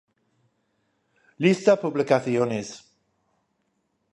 Lista publicaciones